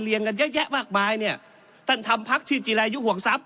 กันเยอะแยะมากมายเนี่ยท่านทำพักชื่อจิรายุห่วงทรัพย